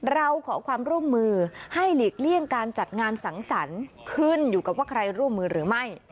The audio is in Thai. เราขอความร่วมมือให้หลีกเลี่ยงการจัดงานสังสรรค์ขึ้นอยู่กับว่าใครร่วมมือหรือไม่